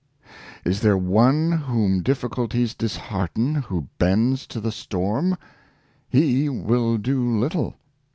" Is there one whom difficulties dishearten — who bends to the storm? He will do little.